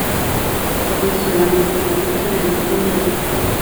gukosora mu gitabo cy irangamimirere